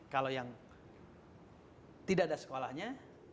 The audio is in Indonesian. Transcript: kalau yang tidak ada sekolahnya